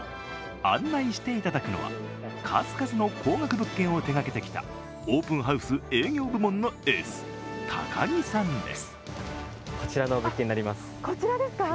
案内していただくのは、数々の高額物件を手がけてきたオープンハウス営業部門のエース高木さんです。